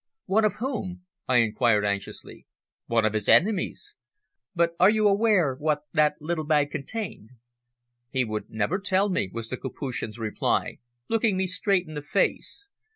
"One of whom?" I inquired anxiously. "One of his enemies." "But are you aware what that little bag contained?" "He never would tell me," was the Capuchin's reply, looking me straight in the face.